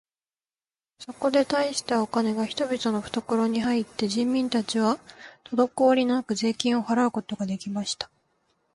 そこで大したお金が人々のふところに入って、人民たちはとどこおりなく税金を払うことが出来ました。